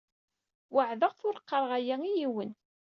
Weɛdeɣ-t ur qqareɣ aya i yiwen.